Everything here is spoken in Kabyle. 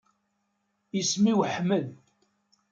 Isem-iw Ḥmed.